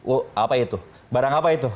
uh apa itu barang apa itu